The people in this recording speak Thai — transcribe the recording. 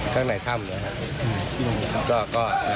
ข้างในถ้ำเลยครับ